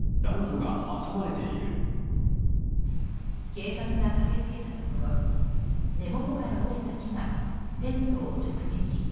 警察が駆け付けたところ根元から折れた木がテントを直撃。